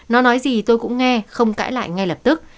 nó nói gì tôi cũng nghe không cãi lại ngay lập tức